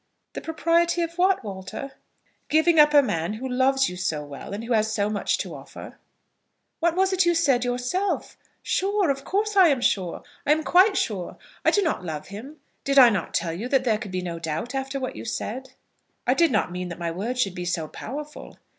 "The propriety of what, Walter?" "Giving up a man who loves you so well, and who has so much to offer?" "What was it you said yourself? Sure! Of course I am sure. I am quite sure. I do not love him. Did I not tell you that there could be no doubt after what you said?" "I did not mean that my words should be so powerful."